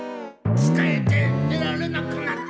つかえて出られなくなった。